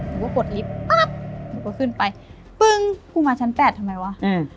ผมก็คืนไปกูมาชั้นแปดทำไมวะอืม